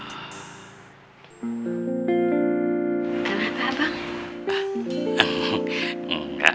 lo cantik banget